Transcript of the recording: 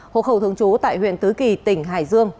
hộ khẩu thường trú tại huyện tứ kỳ tỉnh hải dương